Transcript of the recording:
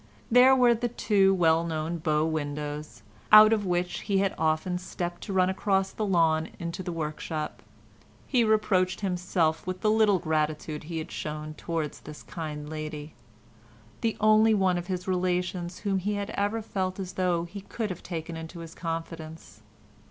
There were the two well known bow windows, out of which he had often stepped to run across the lawn into the workshop. He reproached himself with the little gratitude he had shown towards this kind lady—the only one of his relations whom he had ever felt as though he could have taken into his confidence.